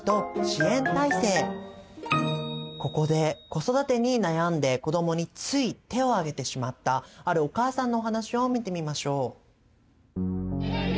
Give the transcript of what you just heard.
ここで子育てに悩んで子どもについ手を上げてしまったあるお母さんのお話を見てみましょう。